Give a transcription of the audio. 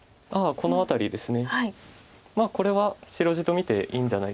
この辺りですか？